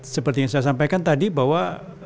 seperti yang saya sampaikan tadi bahwa